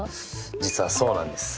実はそうなんです。